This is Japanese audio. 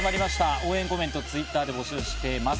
応援コメント、Ｔｗｉｔｔｅｒで募集しています。